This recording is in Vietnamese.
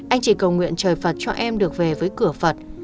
anh chỉ cầu nguyện trời phạt cho em được về với cửa phật